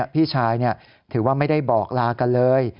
พี่ชายถือว่าไม่ได้บอกลากันเลย